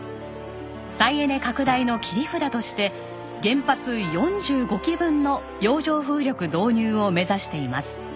再エネ拡大の切り札として原発４５基分の洋上風力導入を目指しています。